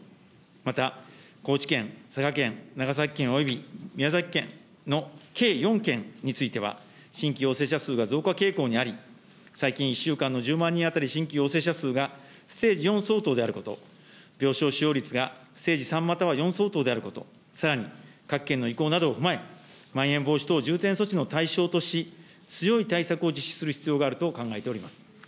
また高知県、佐賀県、長崎県および宮崎県の計４県については、新規陽性者数が増加傾向にあり、最近１週間の１０万人当たり新規陽性者数がステージ４相当であること、病床使用率がステージ３または４相当であること、さらに各県の意向などを踏まえ、まん延防止等重点措置の対象とし、強い対策を実施する必要があると考えております。